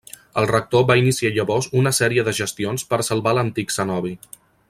El rector va iniciar llavors una sèrie de gestions per a salvar l'antic cenobi.